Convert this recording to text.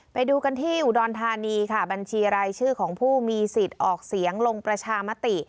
ไปดูกันที่อุดรธานีค่ะบัญชีรายชื่อของผู้มีสิทธิ์ออกเสียงลงประชามติ